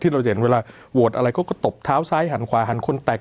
เราจะเห็นเวลาโหวตอะไรเขาก็ตบเท้าซ้ายหันขวาหันคนแตก